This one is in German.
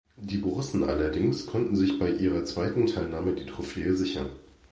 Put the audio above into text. Die Borussen allerdings konnten sich bei ihrer zweiten Teilnahme die Trophäe sichern.